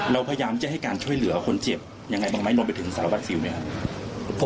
เราพยายามจะให้การช่วยเหลือคนเจ็บยังไงบ้างไหมรวมไปถึงสารวัสสิวไหมครับ